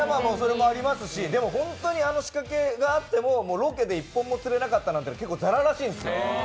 それもありますし、あの仕掛けがあってもロケで１本も釣れなかったというのも結構ざららしいんです。